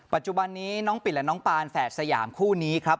ปัจจุบันนี้น้องปิดและน้องปานแฝดสยามคู่นี้ครับ